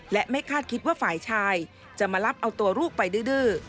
และไม่คาดคิดว่าฝ่ายชายจะมารับเอาตัวลูกไปดื้อ